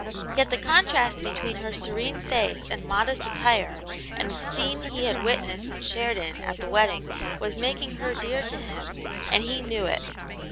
Yet the contrast between her serene face and modest attire and the scene he had witnessed and shared in at the wedding was making her dear to him, and he knew it.